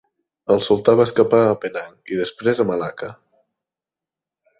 El sultà va escapar a Penang i, després, a Malacca.